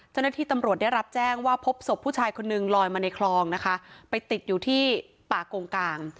เจ้าหน้าที่ตำรวจได้รับแจ้งว่าพบศพผู้ชายคนนึงลอยมาในคลองนะคะไปติดอยู่ที่ป่ากงกลาง